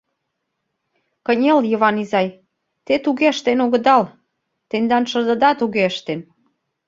Кынел, Йыван изай, те туге ыштен огыдал — тендан шыдыда туге ыштен.